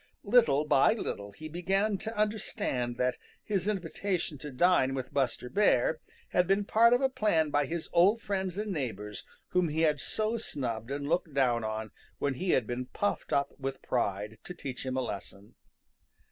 Little by little he began to understand that his invitation to dine with Buster Bear had been part of a plan by his old friends and neighbors whom he had so snubbed and looked down on when he had been puffed up with pride, to teach him a lesson.